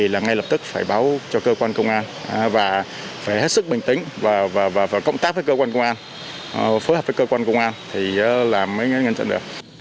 lập tức phải báo cho cơ quan công an và phải hết sức bình tĩnh và phải cộng tác với cơ quan công an phối hợp với cơ quan công an thì là mới ngăn chặn được